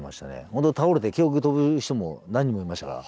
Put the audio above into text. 本当倒れて記憶飛ぶ人も何人もいましたから。